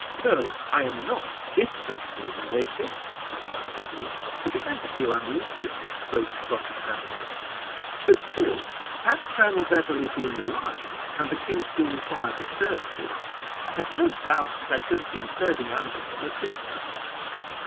"No; I am not distantly related," replied Edward, who began to feel uneasy at this close cross examination; "but still, had Colonel Beverley been alive, and the king still required his services, I have no doubt that I should have been serving under him at this time.